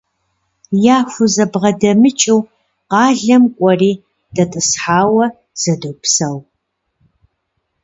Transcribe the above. Яхузэбгъэдэмыкӏыу къалэм кӏуэри дэтӏысхьауэ зэдопсэу.